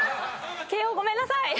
慶應ごめんなさい。